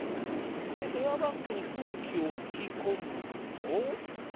でエアバッグに空気を吹き込むと。